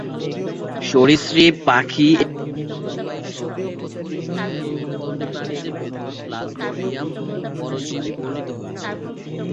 সরীসৃপ, পাখি এবং স্তন্যপায়ী সহ বৃহৎ পরিসরের মেরুদণ্ডী প্রাণীদের ভিতর "প্লাজমোডিয়াম" পরজীবী বর্ণিত হয়েছে।